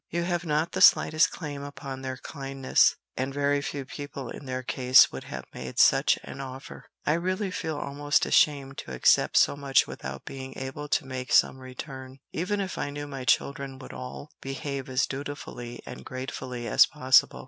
You have not the slightest claim upon their kindness, and very few people in their case would have made such an offer. I really feel almost ashamed to accept so much without being able to make some return, even if I knew my children would all behave as dutifully and gratefully as possible.